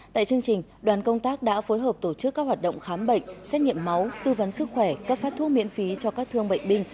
tại chương trình đoàn công tác đã phối hợp tổ chức các hoạt động khám bệnh xét nghiệm máu tư vấn sức khỏe cấp phát thuốc miễn phí cho các thương bệnh binh